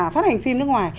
phát hành phim nước ngoài